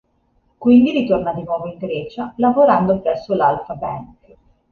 Quindi ritorna di nuovo in Grecia, lavorando presso l'Alpha Bank.